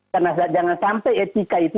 karena jangan sampai etika itu